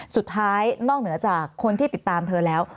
นอกเหนือจากคนที่ติดตามเธอแล้ว